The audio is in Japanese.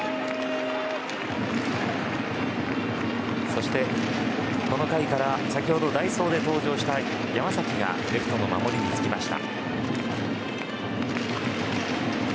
そしてこの回から先ほど代走で登場した山崎がレフトの守りにつきました。